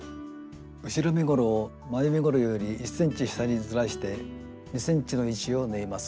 後ろ身ごろを前身ごろより１ｃｍ下にずらして２ｃｍの位置を縫います。